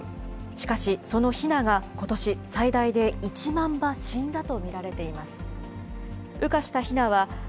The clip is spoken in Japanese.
しかし、そのひながことし、最大で１万羽死んだと見られています。